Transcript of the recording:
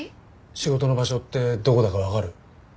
仕事の場所ってどこだかわかる？